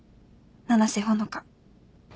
「七瀬ほのか」